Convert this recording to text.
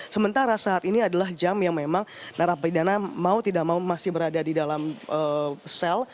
sementara saat ini adalah jam yang memang narapidana mau tidak mau masih berada di dalam sel